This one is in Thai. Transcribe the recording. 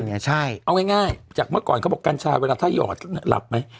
เอาง่ายจากเมื่อก่อนเขาบอกกัญชาเวลาถ้าหยอดหลับไหม